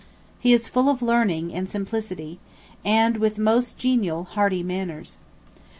He is full of learning [and] simplicity, and with most genial hearty manners.